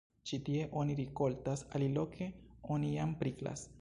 Ĉi tie oni rikoltas, aliloke oni jam priklas.